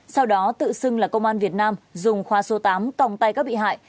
sau đó tự xưng là công an việt nam dùng khoa số tám tòng tay các bị hại